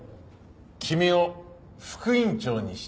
君を副院長にしてやる。